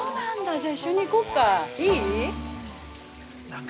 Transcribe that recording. じゃあ、一緒に行こうか。